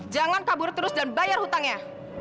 jangan kabur terus dan bayar hutangnya